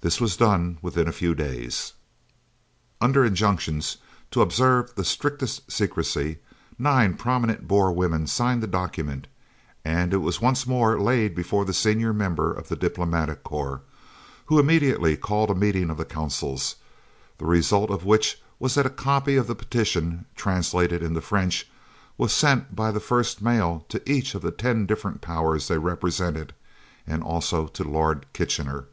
This was done within a few days. Under injunctions to observe the strictest secrecy, nine prominent Boer women signed the document, and it was once more laid before the senior member of the Diplomatic Corps, who immediately called a meeting of the Consuls, the result of which was that a copy of the petition, translated into French, was sent by the first mail to each of the ten different Powers they represented and also to Lord Kitchener.